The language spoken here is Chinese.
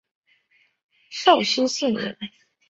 绍熙四年。